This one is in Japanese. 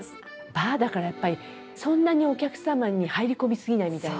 バーだからやっぱりそんなにお客様に入り込み過ぎないみたいな。